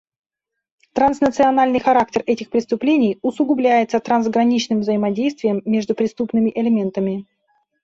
Транснациональный характер этих преступлений усугубляется трансграничным взаимодействием между преступными элементами.